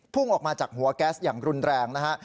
พุ่งออกมาจากหัวแก๊สอย่างรุนแรงนะฮะ